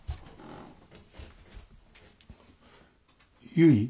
ゆい？